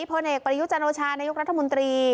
พนักประยุจนโชชานายุครัฐมนตรี